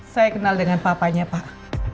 saya kenal dengan papanya pak